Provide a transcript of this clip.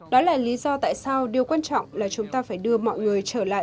đó là lý do tại sao điều quan trọng là chúng ta phải đưa mọi người trở lại